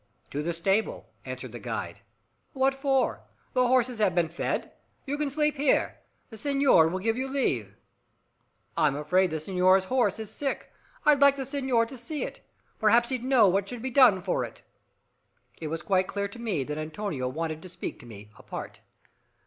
"To the stable," answered the guide. "What for? The horses have been fed! You can sleep here. The senor will give you leave." "I'm afraid the senor's horse is sick. I'd like the senor to see it. Perhaps he'd know what should be done for it." It was quite clear to me that Antonio wanted to speak to me apart.